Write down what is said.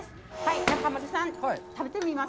中丸さん、食べてみます？